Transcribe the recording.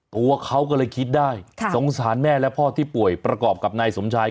ตัวเขาก็เลยคิดได้สงสารแม่และพ่อที่ป่วยประกอบกับนายสมชาย